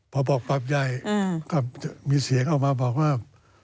พอบอกปรับใหญ่ก็มีเสียงออกมาบอกว่า